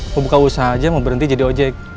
mau buka usaha aja mau berhenti jadi ojek